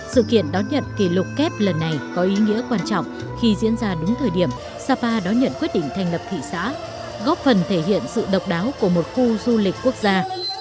sự kiện đón nhận kỷ lục kép lần này có ý nghĩa quan trọng khi diễn ra đúng thời điểm sapa đón nhận quyết định thành lập thị xã góp phần thể hiện sự độc đáo của một khu du lịch quốc gia